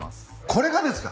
これがですか？